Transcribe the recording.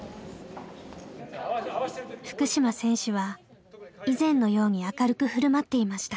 福島選手は以前のように明るく振る舞っていました。